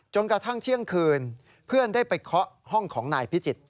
กระทั่งเที่ยงคืนเพื่อนได้ไปเคาะห้องของนายพิจิตร